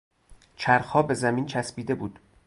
چرخها به زمین چسبیده بود.